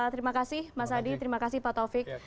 terima kasih mas adi terima kasih pak taufik